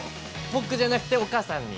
◆僕じゃなくて、お母さんに。